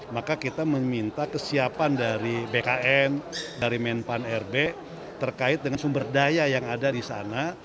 maka kita meminta kesiapan dari bkn dari menpan rb terkait dengan sumber daya yang ada di sana